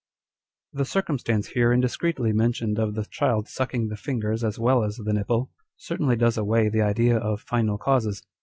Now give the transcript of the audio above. The circumstance here indiscreetly mentioned of the child sucking the fingers as well as the nipple, certainly does away the idea of final causes.